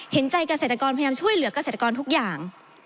เห็นใจเกษตรกรพยายามช่วยเหลือกเกษตรกรทุกอย่าง